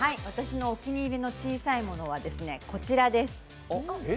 私のお気に入りの小さいものは、こちらです。